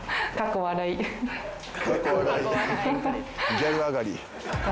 ギャル上がり。